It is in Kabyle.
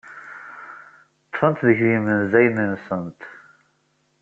Ḍḍfent deg yimenzayen-nsent.